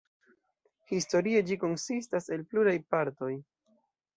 Historie ĝi konsistas el pluraj partoj.